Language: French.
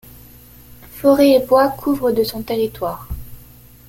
Forêt et bois couvrent de son territoire.